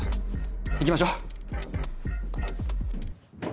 行きましょう！